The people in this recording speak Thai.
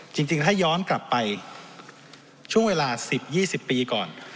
จริงถ้าย้อนกลับไปช่วงเวลา๑๐๒๐ปีก่อน